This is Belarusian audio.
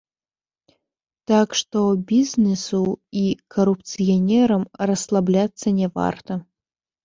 Так што бізнесу і карупцыянерам расслабляцца не варта.